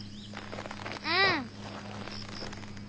うん。